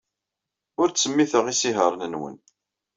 Ur ttsemmiteɣ isihaṛen-nwen.